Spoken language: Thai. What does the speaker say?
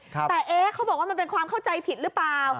แต่เอ๊ะเขาบอกว่ามันเป็นความเข้าใจผิดหรือเปล่า